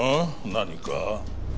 何か？